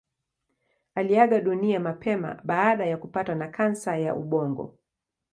Aliaga dunia mapema baada ya kupatwa na kansa ya ubongo.